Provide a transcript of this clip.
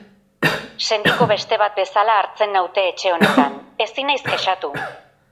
Sendiko beste bat bezala hartzen naute etxe honetan, ezin naiz kexatu.